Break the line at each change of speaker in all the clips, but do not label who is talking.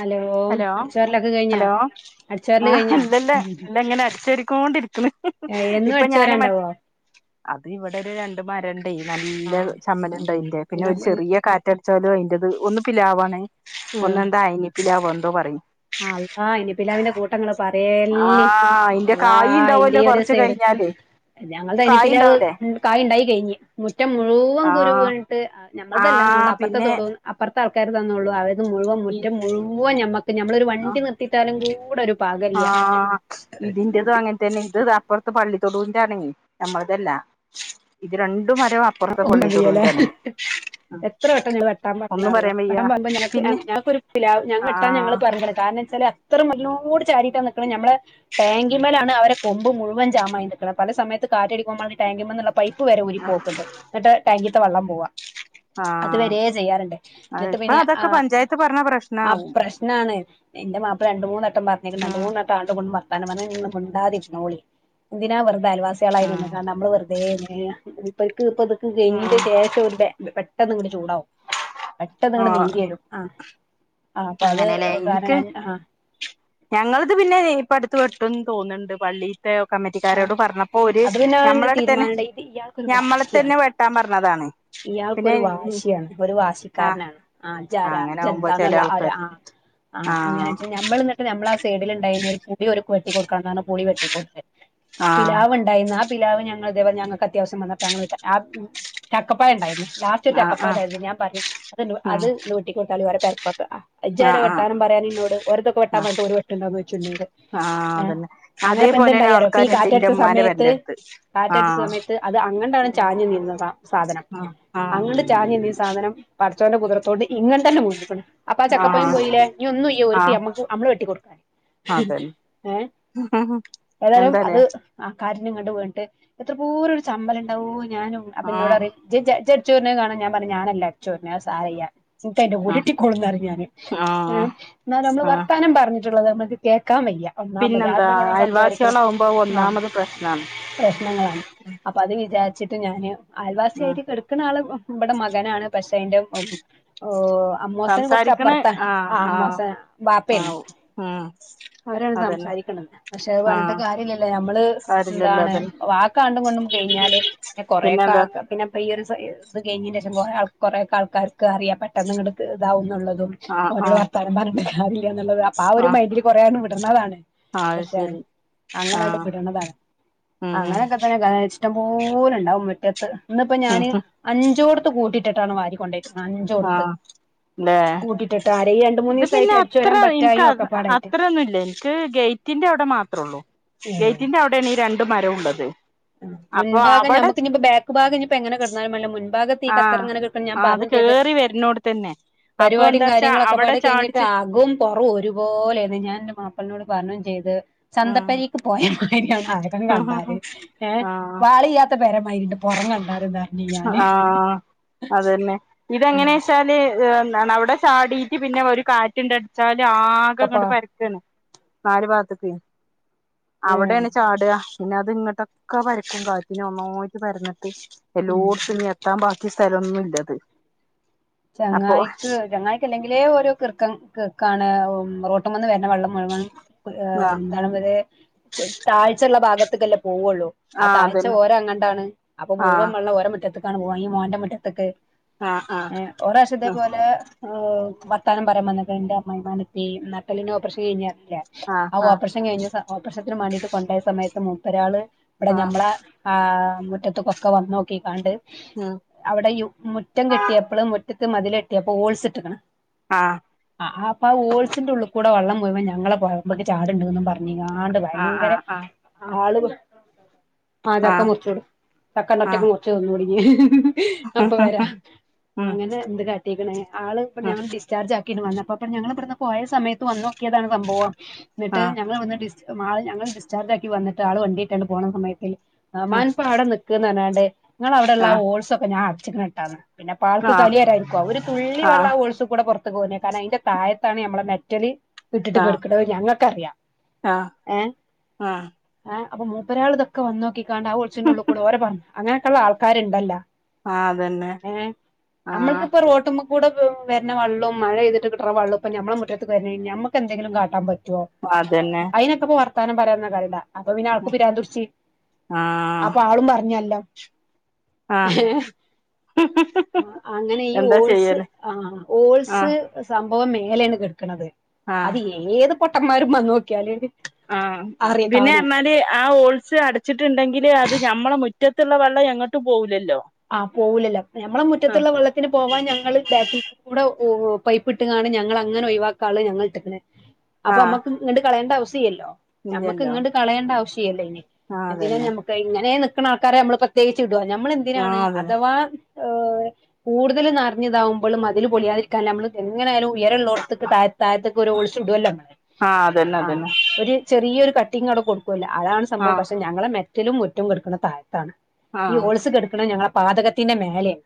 Hello
hello
അടിച്ചോരലൊക്കെ കഴിഞ്ഞാ
hello
അടിച്ചോരല്
ആഹ്
കഴിഞ്ഞാ
ല്ലല്ല ല്ല ഇങ്ങനെ അടിച്ചൊരിക്കോണ്ടിരിക്ക്ണ്.
എന്നും
ഇപ്പൊ ഞാന് മറ്റ
അടിച്ചോരാണ്ടാവോ
അത് ഇവിടെ ഒരു രണ്ട മര ഉണ്ട നല്ല
ആഹ്
ചമ്മലുണ്ടയ്ന്റെ പിന്നെ
ഇന്ന
ഒരു ചെറിയ കാ തടച്ചാലോയിന്ന്ന്റെത് ഒന്ന് പിലാവാണ് ഒന്നന്താ അയിനിപ്പിലാവ എന്തോ പറയും.
ആ അള്ളാ അയ്നിപിലാവിന്റെ കൂട്ടങ്ങള് പറയല്ലി.
ആഹ് അയിന്റെ
അള്ളാ
കായി
ഇന്റെ
ഉണ്ടാവല്ലോ
ഈ ഒരു
കൊറച്ച്
സൈഡ്
കഴിഞ്ഞാല്
ഞങ്ങൾത
കായ്
അയ്നിപ്പിലാവ്
ഉണ്ടാവൂലേ
കായി ഉണ്ടായി കഴിഞ്. മുറ്റം മുഴുവൻ കുരു
ആഹ്
വീണ് ട്ട് ഞമ്മളതല്ലാന്നൊള്ളു
ആഹ്
അപ്പർത്തെ
പിന്നെ
തൊടുന്ന് അപ്പറത്തെ ആൾക്കാര്താ ന്നൊള്ളൂ അവര് മുഴുവം
ഈ
മുറ്റം മുഴുവ്വം ഞമ്മക് പ്പ നമ്മളൊരു വണ്ടി നിർത്തിട്ടാലും കൂടെ ഒരു പാകല്യ.
ആഹ് ഇതിന്റതും അങ്ങനെ തന്നെ ഇത് അപ്പുറത്ത് പള്ളി തൊടുന്റണെ നമ്മളതെല്ലാ ഇത് രണ്ടു മരം അപ്പുറത്തെ പള്ളിത്തൊടുവിന്റെ ആണ്
[unintelligible] എത്ര വട്ടം ഞങ്ങൾ വെട്ടാൻ
ഒന്നും
പറഞ്ഞറിയോ
പറയാൻ വയ്യ പിന്നെ
ഞങ്ങക്കൊരു പിലാവ് ഞങ്ങേ [unintelligible] ഞങ്ങള്
ആഹ്
പറഞ്ഞത് കാരണം ച്ചാല് അത്ര നല്ലോട് ചാരിട്ടാ നിക്കണ ഞമ്മള ടാങ്കിമ്മേലാണ് അവരെ കൊമ്പ് മുഴുവൻ ജാമായി നിക്കണ പല സമയത്ത് കാറ്റടിക്കുമ്പോഴാണ് ടാങ്കിമ്മേന്നുള്ള പൈ പ്പ് വരെ ഊരി പോക്കുണ്ട് എന്നിട്ട് ടാങ്കിത്തെ വെള്ളം പോവാ അത്
ആഹ്
വരെ ചെയ്യാറുണ്ട്
അത്
ന്നിട്ട്
ഇപ്പൊ
പിന്നെ
അതൊക്കെ
ആഹ്
പഞ്ചായത്ത് പറഞ്ഞ
ആഹ്
പ്രശ്നാവും
പ്രശ്നാണ് എന്റെ മാപ്പിള രണ്ട് മൂന്ന് വട്ടം പറഞ്ഞേക്കണ് രണ്ട്
ഉം
മൂന്ന് വ ട്ടാണ്ട് കൊണ്ട് വർത്താനം പറഞ്ഞ നിങ്ങള് മിണ്ടാതിരിന്നോളി എന്തിനാ വെറുതെ അയൽവാസികളായി
ഉം
നിന്ന്ങ്ങാണ്ട് അമ്മള് വെറുതെ എന്തിനാ മൂപ്പര്ക്ക് ഇപ്പത്
ഉം
[unintelligible] ശേഷം ഒരു പെ പെട്ടെന്ന് അങ്ങട് ചൂടാവും പെട്ടെന്ന് അങ്ങട്
ആഹ്
നീരി വരും ആഹ് ആഹ് അപ്പൊ അത്
അങ്ങനെല്ലേ
കാരണം
ഇൻക്ക്
രൺ ആഹ്
ഞങ്ങളത് പിന്നെ ഇപ്പ അടുത്ത് വെട്ടൂന്ന് തോന്നണ്ട് പള്ളി ത്തെ
ആ
കമ്മറ്റിക്കാരോട് പറഞ്ഞപ്പോ ഓര്
അത് പിന്നെ
ഞമ്മള അടുത്തന്നെ
തീരുമാനണ്ട ഇത് ഇയാൾക്കൊരു
ഞമ്മളെ
വാശിയാണ്
തന്നെ വെട്ടാൻ പറഞ്ഞതാണ്. പിന്നെ
ഇയാൾക്കൊരു വാശിയാണ് ഒരു
ആഹ്
വാശിക്കാരനാണ് ആഹ് ജ്ജ് ആരാ
അങ്ങനെ
ജ്ജ്
ആവുമ്പോ ചെല
എന്താന്ന്ള്ള ആ ഒരു
ആൾക്കാര്
ആഹ് ആഹ് അങ്ങനേച്ച് ഞമ്മള് എന്നിട്ട് നമ്മളാ സൈഡില് ഇണ്ടായിരുന്ന ഒരു പുളി ഒര്ക്ക് വെട്ടി കൊടുക്കാൻ [unintelligible] പുളി വെട്ടി കൊടുത്തു
ആഹ്
പിലാവ് ഉണ്ടായെന്ന് ആ പിലാവ് ഞങ്ങൾ ഇതേ പോലെ ഞങ്ങക്ക് അത്യാവശ്യം വന്നപ്പോ ഞങ്ങള് ആഹ് മ്ഹ് ചക്കപ്പയം ഇണ്ടായെന്ന് ലാസ്റ്റ് ഒരു
ആഹ്
ചക്കപ്പയം
ആഹ്
ഉണ്ടായിരുന്നു ഞാൻ പറഞ്ഞു അത് നൂ
ഉം
അത് ന്റെ വീട്ടിക്ക് കൊടുത്താലൊ ഓര പെര പൊറത്ത് ആഹ് ഇജ്ജ് ആരാ
ആഹ് ആഹ്
വെട്ടാനും പറയാനും ഇന്നോട് ഓരൊക്ക ഇപ്പ വെട്ടാൻ
ആഹ്
പറഞ്ഞിട്ട് ഓര് വെട്ട്ണ്ടോ എന്ന് ചോയ്ച്ചു എന്നോട് ആഹ്
അതന്നെ
അങ്ങനെ ഇപ്പ
അതേപോലെ
എന്തുണ്ടായി അറിയോ ഇപ്പ ഈ
ഒരാൾക്കാര്ണ്ട് ഇന്റെ
കാറ്റടിച്ച
ഇമ്മാന്റെ
സമയത്ത്
പെരന്റെട്ത്ത്
കാറ്റടിച്ച
ആഹ്
സമയത്ത് അത് അങ്ങണ്ടാണ് ചാഞ്ഞ് നിന്നതാ സാധനം
ആഹ് ആഹ്
അങ്ങണ്ട് ചാഞ്ഞ് നിന്നീ സാധനം പടച്ചോന്റെ കുദ്റ ത്തൊട്ട് ഇങ്ങനെ തന്നെ [unintelligible] അപ്പ ആ ചക്കപ്പയം
ആഹ്
പോയില്ലേ ഇനി ഒന്നും ഇയ്യോ ഒരിക്ക്
ആഹ്
അമ്മക്ക് അമ്മള് വെട്ടി കൊടുക്കാൻ ഏഹ്
എന്താ
ആഹ് കരഞ്ഞ് ഇങ്ങട് വീണിട്ട് എത്ര പോരും ഒരു ചമ്മല് ഇണ്ടാവോ ഞാനും അപ്പ എന്നോട്
ആഹ്
പറയ് ജ്ജ് ജ ജ്ജ് ജൊ എന്നേ കാണണന്ന് ഞാൻ പറഞ്ഞ് ഞാനല്ല അച്ചോ പിന്നെ അത് സാരയ്യ ഇന്ക് അയിന്റെ
ആഹ്
കൂലിട്ടിക്കൊളുംന്നറിം ഞാന് ഏഹ്
ആഹ്
ന്നാലും നമ്മള്
ആഹ്
വർത്താനം പറ [unintelligible] നമ്മക്ക് കേൾക്കാവയ്യാ
പിന്നെന്താ അയൽവാസികളാവുമ്പോ
ആഹ്
ഒന്നാമത് പ്രശ്നാണ്
പ്രശ്നങ്ങളാണ് അപ്പൊ അത് വിചാരിച്ചിട്ട് ഞാന് ആയൽവാസി
ഉം
ആയിട്ടു കേട കളാണ് ഇവിടെ മകനാണ് പക്ഷെ അയിന്റെ ഒവ്വ് അമ്മോസന് കൊറച്ച് അപ്പറത്താ ആഹ് അമ്മോസ ന ബാപ്പേര്ന്ന്
ആഹ് ഉം
ഒരാള്
അതന്നെ
സംസാരിക്കണംപക്ഷെ അത്
ആഹ്
പറഞ്ഞിട്ട് കാര്യല്ലല്ലേ നമ്മൾ
കാര്യല്ലല്ലോ
എന്താണ്
അതന്നെ
വാക്കാണ്ട് ങ്ങണ്ടും കഴിഞ്ഞാല് പിന്നെ കൊറെക്കെ
പിന്നെന്താ
ആക്കാം പിന്നെ പ്പ ഈ ഒരു സ ഇത് കഴിഞ്ഞതിന് ശേഷം കുറേ ആൾ കുറെക്കെ ആൾക്കർക്ക് അറിയാം പെട്ടെന്ന് ഇങ്ങട്ട് ഇതാവും എന്നുള്ളത്
ആഹ്
ഓനോട്
ആഹ്
വർത്താനം പറഞ്ഞിട്ട് കാര്യല്ല ന്ന്ള്ളത് അപ്പ ആ ഒരു മൈൻഡിൽ കുറേയാങ്ങ് വിട്ണതാണ്
ആഹ് ശരി
അങ്ങനണ്ട്
ആഹ്
വിട്ണതാണ്
ഉം
അങ്ങനെയൊക്കെ തന്നെ ഇഷ്ടം പോലെ ഉണ്ടാവും മിറ്റത്ത് ഇന്ന്പ്പോ ഞാന് അഞ്ചോട്ത്ത് കൂട്ടിട്ട്ട്ടാണ് വാരി കൊണ്ടോയ്ക്ക്ണത് അഞ്ചോട്ത്ത്
ആഹ് ല്ലേ പക്ഷേ ഇന്ന്
ദിവസായിട്ട് അടിച്ചു
അത്ര
വരാൻ
എനിക്ക്
പറ്റായും ഒക്കെ പാടായിട്ട്
അത്രൊന്നുല്ലയ് നു ഇക്ക് ഗേറ്റിന്റെ അവിടെ മാത്രള്ളൂ
ഏഹ്
ഗേറ്റിന്റെ അവിടെയാണ് ഈ രണ്ട് മരവുള്ളത്
മുൻഭാഗം നമുക്ക് ഇനിപ്പ ബാക്ക് ഭാഗം ഇനിപ്പം എങ്ങനെ കിടന്നാലും വല്ല മു ഭാഗത്ത് ഈ
ആഹ്
കച്ചറങ്ങനെ കേട ഞാൻ
ആഹ് അത്
പറഞ്ഞു ചെയ്ത്
കേറി വരുന്നോട് തന്നെ അപ്പൊ
പരിപാടിം
എന്താച്ചാ
കാര്യങ്ങളൊക്കെ
അവിടെ
പാടെ
ചാടിച്ചിട്ട്
കഴിഞ്ഞിട്ടാകും പൊറവും ഒരുപോലെന്നെ ഞാൻ എന്റെ മാപ്പിളനോട് പറഞ്ഞും ചെയ്ത്
ആഹ്
ചന്തപ്പരിക്ക് പോയമാരിയാണ് ആള്കൾ കണ്ടാല്ല് ങേ
ആഹ്
ആളില്ലാത്ത പേരമാരിആയി
ആഹ് അതന്നെ
ഉം
ഇതെങ്ങനെ ചാല് അല്ലെ എന്താണ് അവിടെ ചാടിട്ട് പിന്നെ ഒരു കാറ്റ് ണ്ടട്ച്ചാല്
ഒക്കപ്പാ
ആകെങ്ങട്ട് പരക്കും ക്കാണ് നാല് പാത്രത്തിന്ന്
ഏഹ്
അവിടെയാണ് ചാട പിന്നെ അത് ഇങ്ങോട്ടൊക്കെ പരക്കും കാറ്റിന് ഒന്നായിട്ട് പരന്നിട്ട്
ഉം
എല്ലോടത്തും ഞ്ഞിഎത്തും കിട്ടാൻ ബാക്കി സ്ഥലൊന്നില്ലത്
ചങ്ങായിക്ക് ചങ്ങായിക്ക് അല്ലെങ്കിലേ ഓരോ കിർക്ക കിറുക്കാണ് റോട്ടുമേന്ന് വരുന്ന വെള്ളം
ആഹ്
[unintelligible] താഴ്ച്ച ഉള്ള ഭാഗത്ത്ക്കല്ലേ പോവൊള്ളൂ ആ
ആഹ്
താഴ്ച
അതന്നെ
ഓര അങ്ങട്ടാണ് അപ്പൊ
ആഹ്
മുഴുവൻ വെള്ളം ഓര മുറ്റത്തക്കാണ് പോണ ഈ മോന്റെ മുറ്റത്ത്ക്ക്
ആഹ് ആഹ്
[unintelligible] ഇതേ പോലെ വത്താനം പരം വന്നക്കണ് എന്റെ അമ്മയിമാണത്തി നട്ടെല്ലിന് ഓപ്പറേഷൻ കഴിഞ്ഞാണ് ഇല്ല
ആഹ് ആഹ്
ആഓപ്പറേഷൻ കഴിഞ്ഞ് ഓപ്പറേഷത്തിന് മാണ്ടിട്ട് കൊണ്ടോയ സമയത്ത് മുപ്പരാള് ഇവിടെ
ആഹ്
ഞമ്മള ആഹ് മുറ്റത്തക്കൊക്കെ വന്നോക്കിക്കാണ്ട്
ആഹ്
അവിടെ യു മുറ്റം കെട്ടിയപ്പള് മുറ്റത്ത് മതിൽ കെട്ടിയപ്പോ ഓൾസ്റ്റിട്ടിക്ണ്
ആഹ്
ആഹ് അപ്പ ആ ഓൾസിന്റെ ഉള്ളി കൂടെ വെള്ളം മുഴുവൻ ഞങ്ങളെ പരമേക്ക് ചാടുണ്ടുന്ന് പർ നിങ്ങാണ്ട്
ആഹ്
ഭയങ്കര
ആഹ് ആഹ്
ആൾ ആഹ് ചക്ക മുറച്ചിടും ചക്കണ്ടറ്റൊക്ക്
ആഹ്
മുറച്ച് തിന്നോടങ്ങി ഞാ അപ്പ വരാ
ഉം
അങ്ങനെ എന്ത് കാട്ടിക്കണേ ആൾ ഇപ്പ
ഉം
ഞങ്ങൾ ഡിസ്ചാർജ് ആക്കി വന്നപ്പോ ഞങ്ങൾ ഇവിടുന്ന് പോയ സമയത്ത് വന്നോക്കിയതാണ് സംഭവം എന്നിട്ട്
ആഹ്
ഞങ്ങൾ അവിടുന്ന് ഡിസ്സ് മാൾ ഞങ്ങൾ ഡിസ്ചാർജ് ആക്കി വന്നിട്ട് ആൾ വണ്ടിക്കണ്ട് പോണ സമയത്ത്
ഉം
തമാൻ ഇപ്പ അവിടെ നിക്ക്ന്നല്ലാണ്ട് നിങ്ങളവിടെള്ള
ആഹ്
ഹോൾസക്കേ ഞാൻ അടചേക്കണ് കേട്ട ആൾക്ക്
ആഹ്
കലിയാരായിരിക്കും ഒരു തുള്ളി വെള്ളം
ആഹ്
ആ ഹോൾസികൂടെ കാരണം അയിന്റെ താഴത്താണ് നമ്മള മെറ്റല് ഇട്ടിട്ട്
ആഹ്
കിടുക്കുന്നത് ഞങ്ങൾക്ക് അറിയാം
ആഹ് ആഹ്
ന്ദേ അപ്പ മൂപ്പരാൾ ഇതൊക്കെ വന്ന് നോക്കിക്കാണ്ട് ആ ഒളിച്ചിന്റെ ഉള്ളികൂടെ ഓരോ പറ അങ്ങനൊക്കെയുള്ള ആൾക്കാരുണ്ടല്ല
ആഹ് അതന്നെ ആഹ്
നമ്മക്കിപ്പ റോടിമ്മ കൂടെ വരണ വെള്ളേം മഴയ്തിട്ട് കിട്ടണ വെള്ളേം ഇപ്പ ഞമ്മള മുറ്റത്തേക്ക് വന്ന് കഴിഞ്ഞ ഞമ്മക്ക് എന്തെങ്കിലും കാട്ടാൻ പറ്റുവോ
ആഹ് അതന്നെ
ഐനൊക്കെപ്പോ വർത്താനം പറയാർന്നാ കാര്യണ്ട അപ്പൊ പിന്നെ
ആഹ്
ആൾക്ക്പിരാന്തുട്ച്ച്അപ്പൊ ആളും പറഞ്ഞ് അല്ലം
ആഹ് ഹും ഹും
ആഹ് അങ്ങനെ ഈ ഓൾസ് ആഹ് ഓൾസ്
ആഹ്
സംഭവം മേലെണ് കിടക്കണത്
ആഹ്
അത് ഏത് പൊട്ടന്മാരും മന്നോക്കിയാല്
ആഹ് പിന്നെർണാല് ആ ഓൾസ് അട ച്ച്ട്ട്ണ്ട്ങ്കില് അത് ഞമ്മളെ മുറ്റത്ത്ള്ള വെള്ളം എങ്ങട്ടും പോവൂലല്ലോ
ആഹ് പോവൂലല്ലോ ഞമ്മളെ
ആഹ്
മുറ്റത്ത്ള്ള വെള്ളത്തിന് പോവാൻ ഞങ്ങള് ബാക്കിൽക് ഇവിടെ ഓ പൈപ്പിട്ട്കാണ് ഞങ്ങൾ അങ്ങനെ ഒഴിവാക്കാൻള്ള ഞങ്ങൾട്ട്ക്ണ് അപ്പൊ
ആഹ്
അമ്മക്ക് ഇങ്ങണ്ട് കളയേണ്ട ആവ്‌സ്യല്ലോ ഞമ്മക്ക്
ഇല്ലല്ലോ
ഇങ്ങണ്ട് കളയേണ്ട ആവശ്യല്ലല്ലോ
ആഹ്
എന്തിനാ
അതന്നെ
ഞമ്മ് ക് ഇങ്ങനെ നിക്കണ ആൾക്കാരെ നമ്മള് പ്രത്യേകിച്ച് ഇടോ ഞമ്മള് എന്തിനാണ്
ആഹ് അതന്നെ
അഥവാ ഏഹ്
[inaudible]
കൂടുതൽ നർഞ്ഞിതാവുമ്പോള് മതില് പൊളിയാതിരിക്കാൻ ഞമ്മള് എങ്ങനായാലും ഉയരള്ളോട്ത്ത്ക്ക് താഴെത് തായത്ത്ക്ക് ഒരു ഓൾസുവിടുവല്ലോ?
ആഹ് അതന്നെ അതന്നെ
ഒര്ചെറിയ്യാെരു കട്ടിംങ്ങ് അവ്ടെ കൊടുക്കൊല്ലോ അതാണ് സംഭവം
ആഹ്
പക്ഷെ ഞങ്ങളെ മെറ്റലും മുറ്റും കെട്ക്ക്ണത് താഴത്താണ് ഈ
ആഹ്
ഹോൾസ് കെട്ക്കണെ ഞങ്ങളെ പാതകത്തിന്റെ മേലെണ്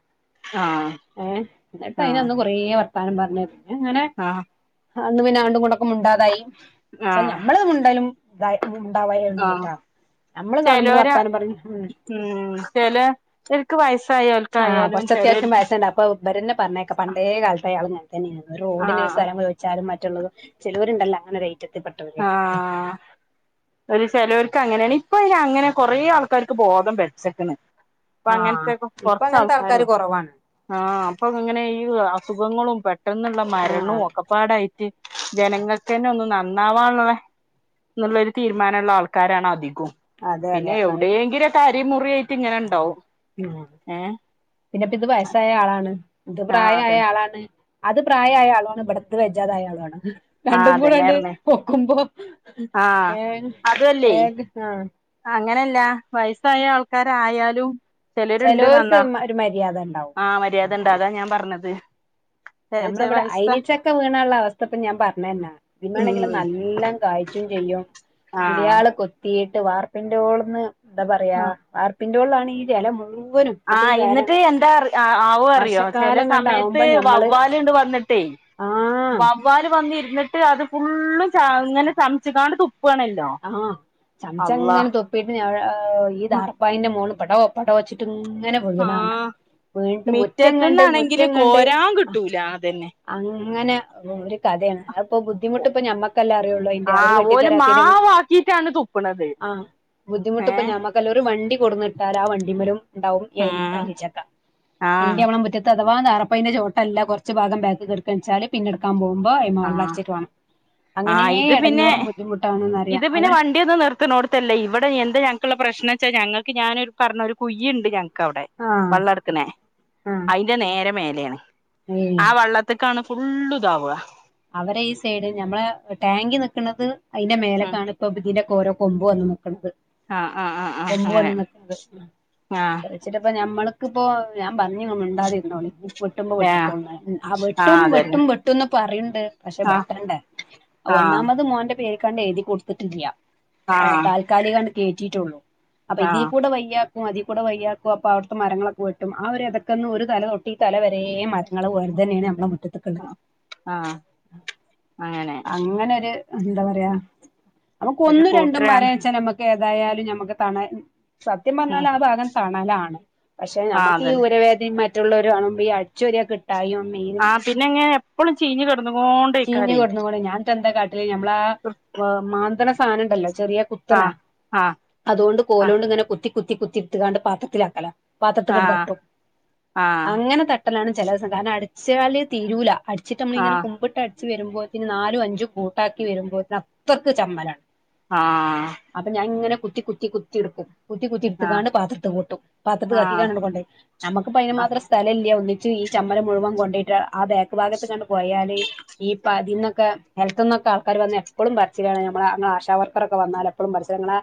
ആഹ്
ഏഹ് ന്നട്ട്
ആഹ്
അയിനന്ന് കൊറേ വർത്താനം പർഞ്ഞ് പിന്നെ അങ്ങനെ
ആഹ്
അന്ന് പിന്നെ രണ്ടും കൂടൊക്കെ മുണ്ടാതായി ഷെ
ആഹ്
ഞമ്മള് മുണ്ടലും ഇതാ
ആഹ്
ഉംമുണ്ടാവാതെര്ന്ന്ട്ടാ ഞമ്മള് കാണ്പള്
ചെലോര്
വർത്താനം പറിം ഉം
ഉം ചെലെ ഓൽക്ക് വയസ്സായാൽ
ആഹ് കൊർച്ച് അത്യാവശ്യം വയസ്ണ്ട് അപ്പൊ ഇവരെന്നെ പർണേക്ക പണ്ടേ കാൽത്തേ അയാള് ഇങ്ങൻതന്നെണ്ന്ന് റോഡിന്
ആഹ്
സ്ഥലം വേട് ച്ചാലും മറ്റ്ള്ളതും ചെലോര്ണ്ടല്ലാ അങ്ങനെ രയ്
ആഹ് ഒരു ചേലോർക്ക് അങ്ങനെയാണ് ഇപ്പൊ ര അങ്ങനെ കൊറേ ആൾക്കാർക്ക് ബോധം വെച്ച്ക്ക്ണ് ഇപ്പൊ
ആഹ്
അങ്ങൻത്തെക്കെ
ഇപ്പൊ
കൊറച്ച്
അങ്ങനത്തെ ആൾക്കാര്
ആൾക്കാരുള്ളൂ
കൊറവാണ്
ആഹ് അപ്പൊ ഇങ്ങനെ ഈ അസുഖങ്ങളും പെട്ടെന്ന്ള്ള മരണും
ആഹ്
ഒക്കെപ് പാടെയിറ്റ് ജനങ്ങൾക്കന്നെ ഒന്നും ന നന്നാവാള്ള ന്ന്ള്ളാരു തീരുമാനംള്ള ആൾക്കാരാണ് അധികും
അതെ
പിന്നെ
അതെ അത്
എവിടെങ്കിലും ക്കെ അരെം മുറിം യായിട്ട് ഇങ്ങനെണ്ടാവും
പിആഹ് പിന്നെപ്പിത് വയസ്സായ ആളാണ് ഇത്
ആഹ്
പ്രായയായ
അതന്നെ
ആളാണ് അത് പ്രായയായ ആളാണ് ഇവിടത്ത് വെജ്ജാതായ ആളു ആണ്
ആഹ്
രണ്ടും കൂടെണ്ട്
അതന്നെയാർന്ന്
ഒക്കുമ്പോ
ആഹ്
വേഗം
അതുവല്ലേ
വേഗ ആഹ്
അങ്ങനെയല്ല വയസ്സായ ആൾക്കാരായാലും ചെലോര്ണ്ട്
ചിലവർക്ക്
നന്നാഹ്
ഒരു മര്യാദ ഉണ്ടാവും
ആഹ് മര്യാദണ്ട് അതാ ഞാൻ പർണത്
ഞമ്മളെ ഇബ്ടെ അയിനി ചക്ക വീണാള്ള അവസ്ഥ ഇപ്പപിൻ ഞാൻ പർണര്നാ പിന്നാണെങ്കില്
ഉം
നല്ലംകായ്ച്ചും ചെയ്യും
ആ
കിളിയാള് കൊത്തിയിട്ട് വാർപ്പിൻ്റോൾന്ന് എന്താ പറയാ വാർപ്പിൻ്റോള്ളാണ് ഈ ജല മുഴുവ്വനും
ആഹ് ഇന്ന്ട്ട് എന്താ അറ് ആഹ് ആവോ അറിയോ ചെല
വർഷക്കാലം
സമയത്ത്
കണ്ടാവുമ്പോ ഞമ്മള്
വവ്വാ ല്ണ്ട് വന്ന്ട്ടേ
ആഹ്
വവ്വാല് വന്നിര്ന്ന്ട്ട് അത് ഫുള്ളും ചാഇങ്ങനെ ചംച്ച്ക്കാണ്ട് തുപ്പാണേ
ആഹ് ചംച്ചങ്ങനെ തുപ് പിന്നെ ഏ ഈ ടാർപ്പായിന്റെ മോളില് പടോ പടോ ച്ചിട്ട് ഇങ്ങനെ
ആ
വീണാണ് വീണിട്ട് മുറ്റംങ്ങണ്ട്
മിറ്റത്തുന്നാണെങ്കില്
മുറ്റംങ്ങണ്ട്
കോരാൻ കിട്ടൂല അതന്നെ
അങ്ങനെ ഒര് കഥേണ് അ ഇപ്പോ ബുദ്ധിമുട്ട് പ്പൊ ഞമ്മക്കല്ലേ അറിയുള്ളു അയിന്റെ അവര് വെട്ടി തരാതെയിൻ്റെ നമ്
ചീട്ടാണ്തും
ആഹ് ബുദ്ധിമുട്ടിപ്പോ ഞമ്മക്കല്ലേ ഒരു വണ്ടി കൊണ്ടോന്ന് ഇട്ടാല് ആഹ് വണ്ടിമേലും ഉണ്ടാവും ഈ
ആ
ഐനി ചക്ക.
ആ
എന്റെ അമ്മ മുറ്റത്ത് അഥവാ ദാറപ്പായിന്റെ ചോട്ടല്ല കുറച്ച് ഭാഗം ബാക്കി കെടക്കണിച്ചാല് പിന്നെടുക്കാൻ പോവുമ്പോ ഇമ്മ
ആ
വെള്ള അടച്ചിട്ട് വേണം അങ്ങനെ എടങ്ങേറും ബുദ്ധിമുട്ടാണന്ന് അറിയാം.
അപ്പൊ പിന്നെ വ വണ്ടിന്ന് നിർത്തിനോടത്തല്ലേ ഇവിടെ എന്തെ ഞങ്ങൾക്കുള്ള പ്രശ്നം വച്ചാൽ ഞങ്ങൾക്ക് ഞാനൊരു പറഞ്ഞൊരു കുഴിയുണ്ട് എന്ന്. ഒക്കെ അവിടെ
ആഹ്
വെള്ളം എടുക്കണേ
ആഹ്
അയിന്റെ നേരെ മേലെയാണ്
ഏഹ്
ആഹ് വെള്ളം. ഇതൊക്കെയാണ് ഫുള്ളും ഇതാവുക.
അവരെ ഈ സൈഡ് ഞമ്മളെ ടാങ്കിൽ നിക്കണത് അയിന്റെ
ഉം
മേലക്കാണ്. ഇപ്പൊ ഇതിന്റെ ഒക്കെ ഓരോ കൊമ്പ് വന്ന് നിക്കണ്.
ആ ആ ആ ആ
കൊമ്പ്
അങ്ങനെ
വന്ന് നിക്കണത്.
ആ
ചിലപ്പോൾ നമ്മൾക്ക് ഇപ്പൊ ഞാൻ പറഞ്ഞു മുണ്ടാതിരുന്നോളാൻ. വെട്ടുമ്പോ
ആ
വെട്ടിക്കോളേന്ന് ആഹ്
ആ
വെട്ടും
അതന്നെ
വെട്ടും വെട്ടുന്ന് പറഞ്ഞു. ക്ക് പക്ഷെ
ആ
വെട്ടണ്ടേ
ആ
ഒന്നാമത് മോന്റെ പേരുക്കേണ്ട് എഴുതി കൊടുത്തിട്ടില്ല.
ആ
ആഹ് താൽക്കാലിയേണ്ട കേറ്റിയിട്ടൊള്ളൂ അപ്പൊ
ആ
ഇതിക്കുടെ വലിയ. അതിക്കൂടെ വയ്യാക്കും അപ്പൊ അവടുത്തെ മരങ്ങളൊക്കെ വെട്ടും, ആഹ് ഒരതകന്നും ഒരു തല തൊട്ട് ഈ തല വരെമാണ്. ഇങ്ങള് ഓല് തന്നേണ് നമ്മടെ മുറ്റത്ത് ഒക്കെ ഉള്ളത്.
ആഹ്
അങ്ങനെ ഒരു എന്താ പറയാ നമ്മക്ക്
ഒരു
ഒന്നും രണ്ടും മര
കൂട്ടരാണ്
വെച്ചാല് നമ്മക്ക്. ഏതായാലും ഞമ്മക്ക് തണൽ സത്യം
ഉം
പറഞ്ഞാൽ ആഹ് ഭാഗം തണലാണ്. പക്ഷെ
ആ
ഞമ്മക്ക് ഈ
അതന്നെ
ഊരവേദനയും മറ്റുള്ളവരെ കാണുമ്പോൾ ഈ അടിച്ചുവാരി കിട്ടായും മെയിന്.
ആ പിന്നെ എങ്ങനെ എപ്പളും ചീഞ്ഞ് കിടന്നു കോണ്ടയ്ക്കാരെ.
ഇന്ന് കൂടി ഞാൻ ട്ട് എന്താ കാട്ടല് നമ്മള് ആഹ് മാന്തണ് സാധനം ഇണ്ടല്ലോ ചെറിയ
ആ
കുത്തണ്.
ആ
അതുകൊണ്ട്
ആ
കോലോണ്ട് ഇങ്ങനെ കുത്തി കുത്തി കുത്തി എടുത്തോണ്ട് പാത്രത്തിൽ ആക്കല്.
ആ ആ
പാത്രത്തിക്കേണ്ട് തട്ടും
ആ
അങ്ങനെ തന്നെ. പെട്ടെന്നാണ് ചില ദിവസം കാരണം അടിച്ചു വാരലിൽ തീരൂല അടിച്ചിട്ട് നമ്മള്
ആ
ഇങ്ങനെ. മുമ്പോട്ട് അടിച്ച് വരുമ്പത്തിന് നാലും അഞ്ചും കൂട്ടാക്കി വരുമ്പോത്തിനു അത്രയ്ക്ക് ചമ്മലാണ്.
ആഹ്
അപ്പൊ ഞാൻ ഇങ്ങനെ കുത്തി കുത്തി കുത്തി എടുക്കും. കുത്തി കുത്തി ഇടുത്ത്ക്കാണ്ട് പാത്രത്തി കൂട്ടും പാത്രത്ത്
ആ ആ
കാക്കിക്കാണ്ട് കൊണ്ടരി നമുക്കിപ്പോ അയിന് മാത്രം സ്ഥലയില്ല ഒന്നിച്ച് ഈ ചമ്മലം മുഴുവൻ കൊണ്ടയിട്ട് ആഹ് ബാക്ക് ഭാഗത്ത് കണ്ട് പോയാൽ. [unintelligible] ഇപ്പ അതിനു ഒക്കെ ഹെൽത്ത്‌ ഒക്കെ ആൾക്കാര് വന്നു എപ്പളും പറച്ചിലാണ്, നമ്മടെ ഞങ്ങടെ ആശാ വർക്കറൊക്കെ വന്നാല് എപ്പോളും പ്രശ്നങ്ങളാ.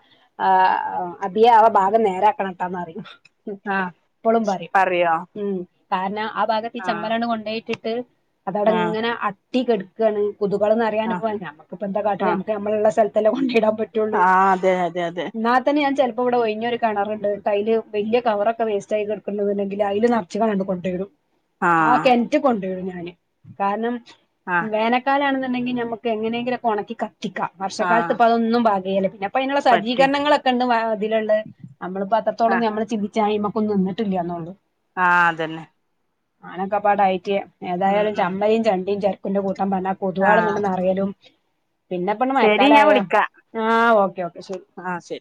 ആഹ് അബിയ ആഹ് ഭാഗം നേരെ ആക്കണം കേട്ടോന്ന് അറിയും. ഉം
ആ
ഇപ്പളും പറയും
പറയോ
ഉം കാരണം ആഹ് ഭാഗത്ത് ഈ
ആഹ്
ചമ്മലണ് കൊണ്ടോയിട്ട്. ട്ട് അത് അവിടെ
ആഹ്
അങ്ങനെ അട്ടി കിടക്കുകയാണ് കൊതുകള് നറിയാന്
ആഹ്
ഇപ്പോ നമ്മക്കിപ്പോ എന്താ കാട്ടണേ
ആഹ്
നമ്മക്ക് നമ്മ്. നമ്മള് ഉള്ള സ്ഥലത്തല്ലേ കൊണ്ട് ഇടാൻ പറ്റുള്ളൂ
ആഹ് അതെ അതെ അതെ
ഇന്നാ തന്നെ ഞാൻ ചെലപ്പോ ഇവിടെ ഒഴിഞ്ഞൊരു കിണറുണ്ട്, അയില് വല്ല്യ കവർ ഒക്കെ വേസ്റ്റ് ആയി കിടക്കുന്നുണ്ട് ഇല്ലെങ്കിൽ അയില് നിറയെ. ഇച്ച് കഴിയുമ്പോ കൊണ്ടിടും ആഹ് കിണറ്റിൽ കൊണ്ടയിടും ഞാന് കാരണം.
ആഹ്
വേനക്കാലാണെന്നുണ്ടെങ്കിൽ നമുക്ക് എങ്ങനെങ്കിലും ഒക്കെ ഉണക്കി കത്തിക്കാം, വർഷക്കാലത്ത്
ആഹ്
ഇപ്പൊ അതൊന്നും പാകേല പിന്നെ. അപ്പ അയിനുള്ള
പറ്റും
സജ്ജീകരണങ്ങളോ കണ്ട് വാ അതിലുള്ള നമ്മളിപ്പോ അത്രത്തോളം
ആഹ്
നമ്മള് ചിന്തിച്ചു കഴിയുമ്പോൾ നമുക്കൊന്നും നിന്നിട്ടില്ല എന്നുള്ള.
ആഹ് അതെന്നെ
ഞാനൊക്കെ ഇപ്പൊ ആഹ് ഡയറ്റിലാ
ഉം
ഏതായാലും
ഉം
ചമ്മയും ചണ്ടിയും ചെരക്കുന്റെ കൂട്ടം പറഞ്ഞു. ഒരുപാട്
ആഹ്
അങ്ങോട്ട് നിറയലും പിന്നെ ഇപ്പൊ
ശരി
മഴക്കാലം
ഞാൻ
ആയാൽ
വിളിക്കാ
ആഹ് ഓക്കേ ഓക്കേ ശരി.
ആഹ് ശരി